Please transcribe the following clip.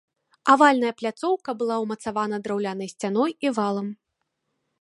Авальная пляцоўка была ўмацавана драўлянай сцяной і валам.